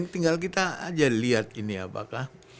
tinggal kita aja lihat ini apakah